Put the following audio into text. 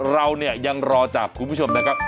เราเนี่ยยังรอจากคุณผู้ชมนะครับ